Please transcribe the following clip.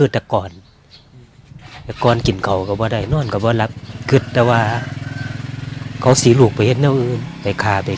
ถ้ามีทางเหลือเท่าไหร่ก็หาดังกับเรา